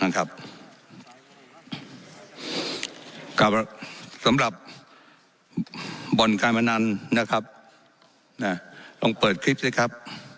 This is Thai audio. อุ้นกามพนันน่ากลับมาวนเปิดด้วยครับ